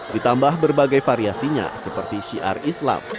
ditambah berbagai variasinya seperti syiar islam